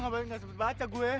kebanyakan kata becomes different